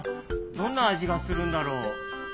どんなあじがするんだろう？